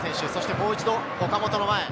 もう一度、岡本の前。